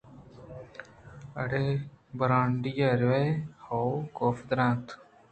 اڑے برانڈی ئے ورئے ؟ ہئو! کاف ءَ درّائینت